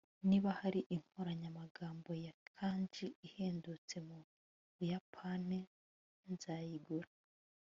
niba hari inkoranyamagambo ya kanji ihendutse mu buyapani, nzayigura